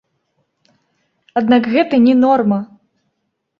Аднак гэта не норма.